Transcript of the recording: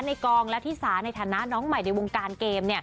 ในกลร์ระธิสาในฐานะน้องใหม่ในวงการเกม